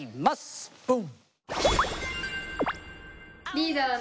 リーダーズ。